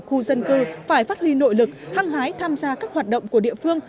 khu dân cư phải phát huy nội lực hăng hái tham gia các hoạt động của địa phương